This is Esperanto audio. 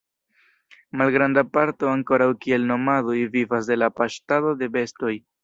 Malgranda parto ankoraŭ kiel nomadoj vivas de la paŝtado de bestoj.